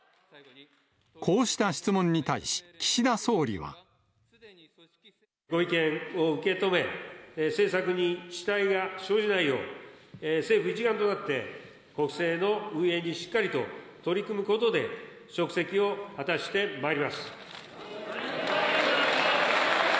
こうした質問に対し、岸田総理は。ご意見を受け止め、政策に遅滞が生じないよう、政府一丸となって、国政の運営にしっかりと取り組むことで、職責を果たしてまいります。